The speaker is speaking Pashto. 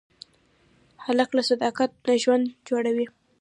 هلک له صداقت نه ژوند جوړوي.